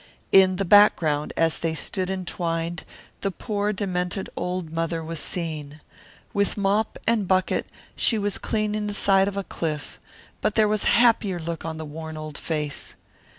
In the background, as they stood entwined, the poor demented old mother was seen. With mop and bucket she was cleansing the side of a cliff, but there was a happier look on the worn old face.